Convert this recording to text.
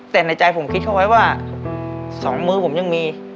แต่ในใจผมคิดเขาไว้ว่า๒มือผมยังมี